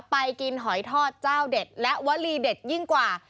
ไปกินหอยทอดเจ้าเด็ดและวลีเด็ดยิ่งกว่า